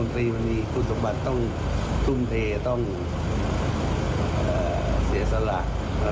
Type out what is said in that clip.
ตรีมันมีคุณสมบัติต้องทุ่มเทต้องเสียสละ